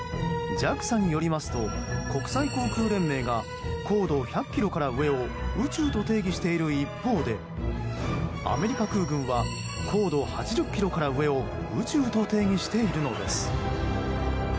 ＪＡＸＡによりますと国際航空連盟が高度１００ｋｍから上を宇宙と定義している一方でアメリカ空軍は高度８０ｋｍから上を宇宙と定義しているのです。